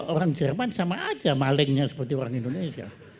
karena orang jerman sama aja malingnya seperti orang indonesia